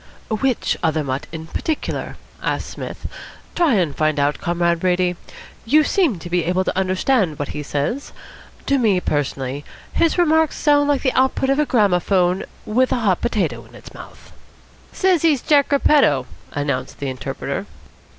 "Which other mutt in particular?" asked Psmith. "Try and find out, Comrade Brady. You seem to be able to understand what he says. To me, personally, his remarks sound like the output of a gramophone with a hot potato in its mouth." "Says he's Jack Repetto," announced the interpreter.